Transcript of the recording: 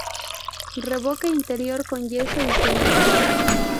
Revoque interior con yeso y cemento.